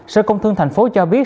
sở công thương thành phố cho biết